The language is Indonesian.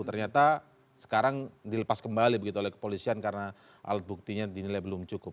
ternyata sekarang dilepas kembali begitu oleh kepolisian karena alat buktinya dinilai belum cukup